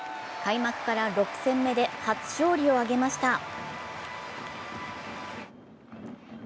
開幕から６戦目で初勝利をあげました。